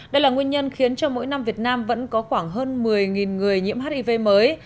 đây là nguyên nhân khiến cho mỗi năm việt nam vẫn có khoảng hơn một mươi người nhiễm hiv mới